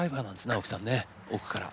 青木さんね奥から。